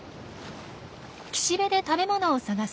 岸辺で食べ物を探すサル。